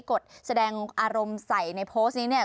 กดแสดงอารมณ์ใส่ในโพสต์นี้เนี่ย